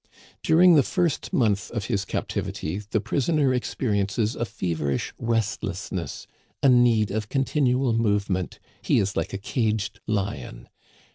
" During the first month of his captivity the prisoner experiences a feverish restlessness, a need of continual movement. He is like a caged lion.